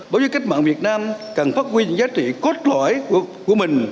báo giới cách mạng việt nam cần phát huy những giá trị cốt lõi của mình